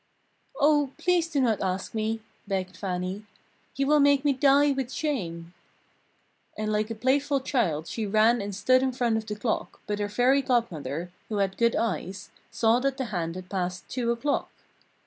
"Oh, please do not ask me!" begged Fannie, "you will make me die with shame!" And like a playful child she ran and stood in front of the clock, but her Fairy Godmother, who had good eyes, saw that the hand had passed two o'clock.